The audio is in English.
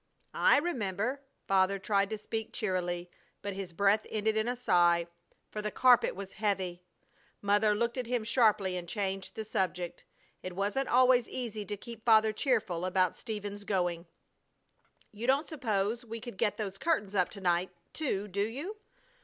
"I remember!" Father tried to speak cheerily, but his breath ended in a sigh, for the carpet was heavy. Mother looked at him sharply and changed the subject. It wasn't always easy to keep Father cheerful about Stephen's going. "You don't suppose we could get those curtains up to night, too, do you?"